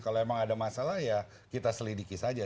kalau memang ada masalah ya kita selidiki saja